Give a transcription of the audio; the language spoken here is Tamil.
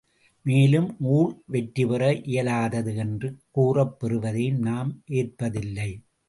மேலும் ஊழ் வெற்றிபெற இயலாதது என்று கூறப்பெறுவதையும் நாம் ஏற்பதில்லை!